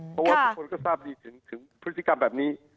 เพราะว่าทุกคนก็ทราบดีถึงของพฤษภีมิการแบบนี้